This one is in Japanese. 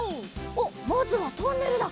おっまずはトンネルだ。